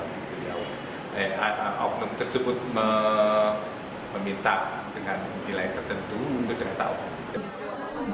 oknum tersebut meminta dengan nilai tertentu untuk tertahun